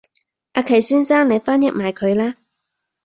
阿祁先生你翻譯埋佢啦